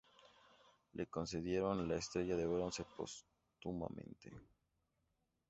Le concedieron la Estrella de Bronce póstumamente.